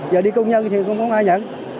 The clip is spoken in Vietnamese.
giờ đi công nhân thì không có ai nhận